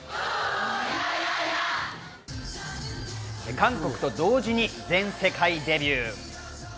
韓国と同時に全世界でデビュー。